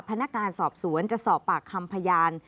พนักงานสอบสวนจะสอบปากคำพยาน